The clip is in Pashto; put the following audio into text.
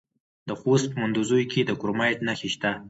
د خوست په مندوزیو کې د کرومایټ نښې شته.